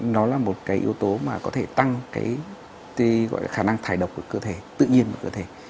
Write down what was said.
nó là một cái yếu tố mà có thể tăng cái khả năng thải độc của cơ thể tự nhiên của cơ thể